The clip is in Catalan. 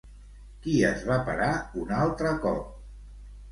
Qui es va parar un altre cop?